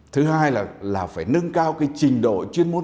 thứ hai là phải nâng cao cái trình độ chuyên môn